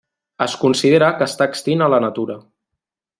Es considera que està extint a la natura.